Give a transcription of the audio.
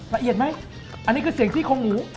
ละเอียดไหมอันนี้คือเสียงซี่โครงหมู